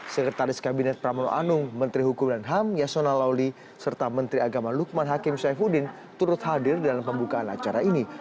sekretaris kabinet pramono anung menteri hukum dan ham yasona lawli serta menteri agama lukman hakim saifuddin turut hadir dalam pembukaan acara ini